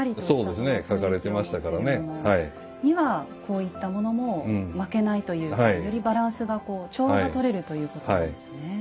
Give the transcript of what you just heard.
そうですね書かれてましたからね。にはこういったものも負けないというかよりバランスが調和が取れるということなんですね。